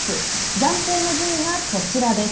暫定の順位がこちらです。